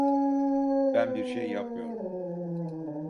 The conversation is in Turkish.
Ben bir şey yapmıyorum.